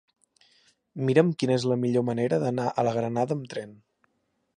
Mira'm quina és la millor manera d'anar a la Granada amb tren.